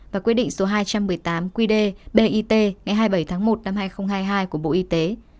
và quy định số hai trăm một mươi tám qd bit ngày hai mươi bảy tháng một năm hai nghìn hai mươi hai của bộ y tế